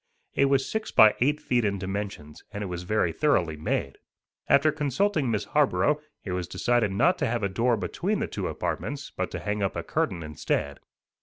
It was six by eight feet in dimensions, and it was very thoroughly made. After consulting Miss Harborough, it was decided not to have a door between the two apartments, but to hang up a curtain instead.